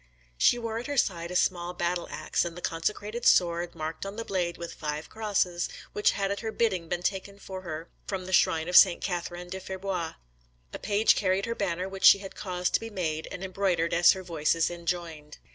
She wore at her side a small battle axe, and the consecrated sword, marked on the blade with five crosses, which had at her bidding been taken for her from the shrine of St. Catherine at Fierbois. A page carried her banner, which she had caused to be made and embroidered as her Voices enjoined.